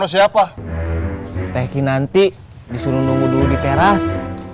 siapa thanky nanti disuruh nunggu dulu di teras